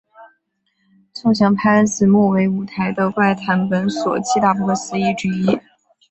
送行拍子木为舞台的怪谈本所七大不可思议之一。